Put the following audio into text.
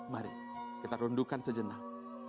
mari kita rundukan sejenak